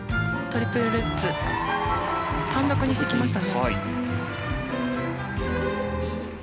トリプルルッツ単独にしてきました。